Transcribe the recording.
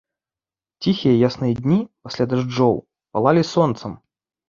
Ціхія ясныя дні, пасля дажджоў, палалі сонцам.